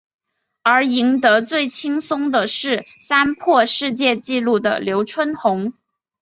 而赢得最轻松的是三破世界纪录的刘春红。